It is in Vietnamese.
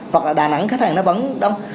hoặc là đà nẵng khách hàng nó vẫn đông